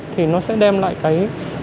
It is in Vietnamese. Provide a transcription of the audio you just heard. thì nó sẽ đem lại cái